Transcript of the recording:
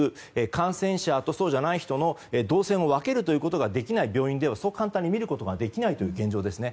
感染者とそうじゃない人を分けるということができない病院ではそう簡単に診ることができないという現状ですね。